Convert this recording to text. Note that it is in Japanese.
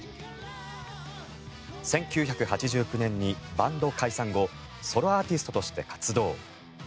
１９８９年にバンド解散後ソロアーティストとして活動。